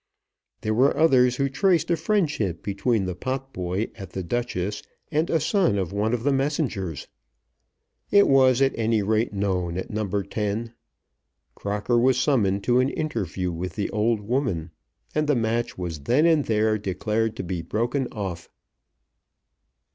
There were others who traced a friendship between the potboy at The Duchess and a son of one of the messengers. It was at any rate known at No. 10. Crocker was summoned to an interview with the old woman; and the match was then and there declared to be broken off.